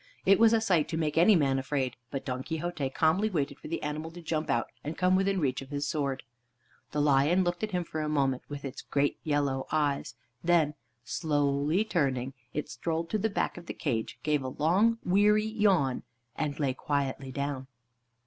It was a sight to make any man afraid; but Don Quixote calmly waited for the animal to jump out and come within reach of his sword. The lion looked at him for a moment with its great yellow eyes then, slowly turning, it strolled to the back of the cage, gave a long, weary yawn, and lay quietly down.